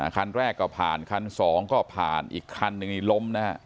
คันแรกก็ผ่านคันสองก็ผ่านอีกคันหนึ่งนี่ล้มนะฮะ